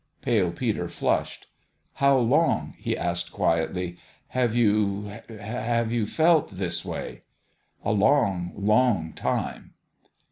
Pale Peter flushed. " How long," he asked, quietly, " have you have you felt this way?" " A long, long time."